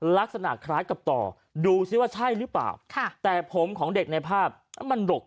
ลักษณะคล้ายกับต่อดูซิว่าใช่หรือเปล่าค่ะแต่ผมของเด็กในภาพมันดก